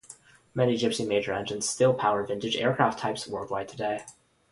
Many Gipsy Major engines still power vintage aircraft types worldwide today.